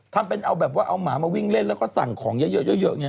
ทำเป็นเอาแบบว่าเอาหมามาวิ่งเล่นแล้วก็สั่งของเยอะไง